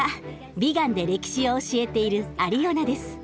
ビガンで歴史を教えているアリオナです。